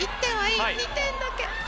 ２点だけ。